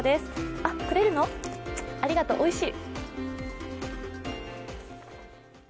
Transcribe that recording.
ありがとう、おいしい。